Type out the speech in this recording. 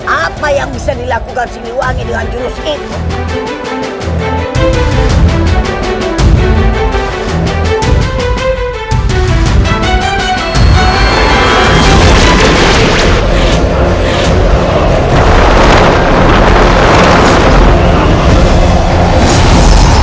apa yang bisa dilakukan sini wangi dengan jurus itu